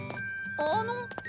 あの？